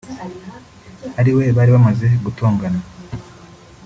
ari we bari bamaze gutongana